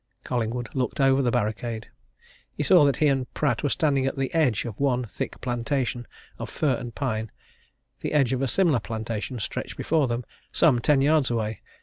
Collingwood looked over the barricade. He saw that he and Pratt were standing at the edge of one thick plantation of fir and pine; the edge of a similar plantation stretched before them some ten yards away.